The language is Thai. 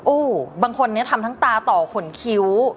อู้วบางคนทำทั้งตาต่อขนคิ้ว